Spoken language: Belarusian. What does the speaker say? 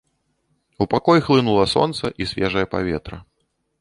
У пакой хлынула сонца і свежае паветра.